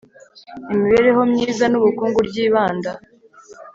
Imibereho myiza n ubukungu ryibanda